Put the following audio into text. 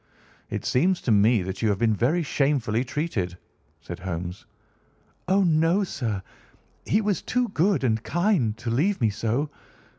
"It seems to me that you have been very shamefully treated," said Holmes. "Oh, no, sir! He was too good and kind to leave me so.